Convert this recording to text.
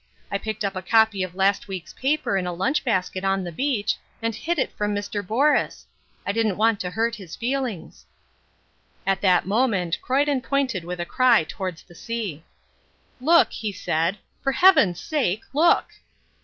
I picked up a copy of last week's paper in a lunch basket on the beach, and hid it from Mr. Borus. I didn't want to hurt his feelings." At that moment Croyden pointed with a cry towards the sea. "Look," he said, "for Heaven's sake, look!"